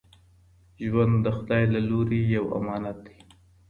ژوند د خدای له لوري یو امانت دی.